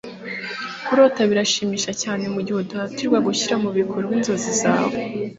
kurota birashimishije cyane mugihe udahatirwa gushyira mubikorwa inzozi zawe